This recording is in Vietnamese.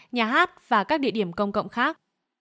nhà hát và các địa điểm công cộng khác